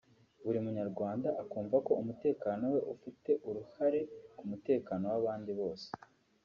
buri munyarwanda akumva ko umutekano we ufite uruhare ku mutekano w’abandi bose